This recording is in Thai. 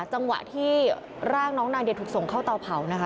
จังหวะที่ร่างน้องนาเดียถูกส่งเข้าเตาเผานะคะ